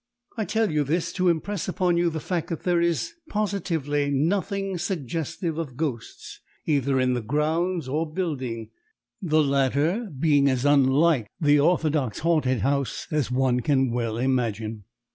I tell you this to impress upon you the fact that there was positively nothing suggestive of ghosts either in the grounds or building, the latter being as unlike the orthodox haunted house as one can well imagine.